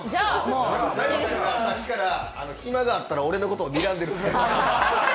さっきから、ひまがあったら俺のことをにらんでる。